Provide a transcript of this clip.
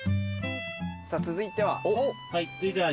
さあ続いては？